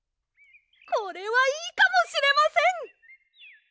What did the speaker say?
これはいいかもしれません！